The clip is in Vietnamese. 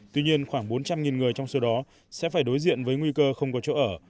tuy nhiên khoảng bốn trăm linh người trong số đó sẽ phải đối diện với nguy cơ không có chỗ ở